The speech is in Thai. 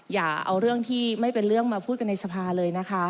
อย่าเอาเรื่องที่ไม่เป็นเรื่องมาพูดกันในสภาเลยนะคะ